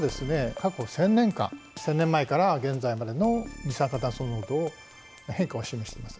過去１，０００年間１，０００年前から現在までの二酸化炭素濃度の変化を示しています。